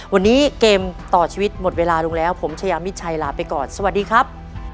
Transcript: วันนี้เกมต่อชีวิตหมดเวลาลงแล้วผมชายามิดชัยลาไปก่อนสวัสดีครับ